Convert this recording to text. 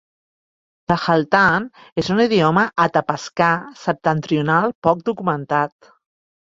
Tahltan és un idioma atapascà septentrional poc documentat.